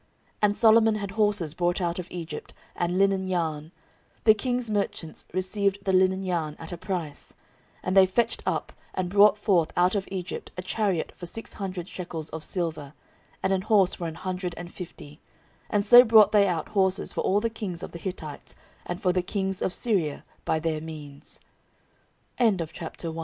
14:001:016 And Solomon had horses brought out of Egypt, and linen yarn: the king's merchants received the linen yarn at a price. 14:001:017 And they fetched up, and brought forth out of Egypt a chariot for six hundred shekels of silver, and an horse for an hundred and fifty: and so brought they out horses for all the kings of the Hittites, and